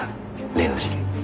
例の事件。